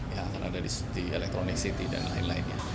yang akan ada di electronic city dan lain lainnya